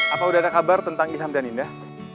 apa udah ada kabar tentang isham dan indah